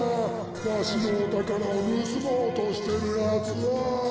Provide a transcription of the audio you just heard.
わしのおたからをぬすもうとしてるやつは！